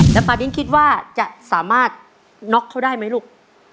แล้วปาดิ้งคิดว่าจะสามารถน็อกเขาได้ไหมลูก